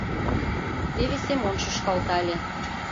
Теве Семон шӱшкалтале